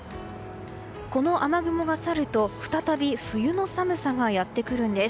この雨雲が去ると再び冬の寒さがやってくるんです。